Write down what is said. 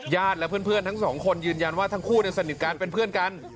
และเพื่อนทั้งสองคนยืนยันว่าทั้งคู่สนิทกันเป็นเพื่อนกัน